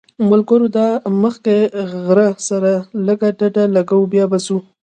ملګرو دا مخکې غره سره لږ ډډه لګوو بیا به ځو.